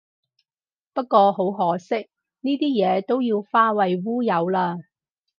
不過好可惜，呢啲嘢都要化為烏有喇